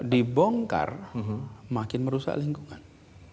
dibongkar makin merusak lingkungan